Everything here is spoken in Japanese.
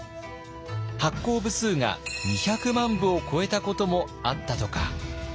発行部数が２００万部を超えたこともあったとか。